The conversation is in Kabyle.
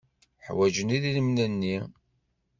Ḥwajen idrimen-nni.